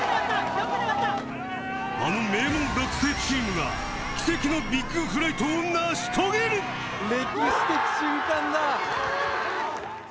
あの名門学生チームが奇跡のビッグフライトを成し遂げる歴史的瞬間だ。